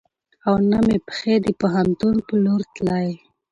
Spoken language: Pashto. او نه مې پښې د پوهنتون په لور تلې .